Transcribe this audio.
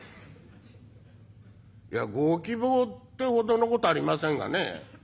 「いやご希望ってほどのことはありませんがね